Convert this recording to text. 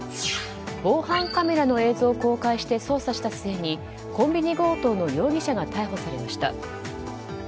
防犯カメラの映像を公開して捜査した末にコンビニ強盗の容疑者が逮捕されました。